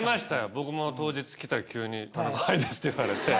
僕も当日来たら急に田中杯ですって言われて。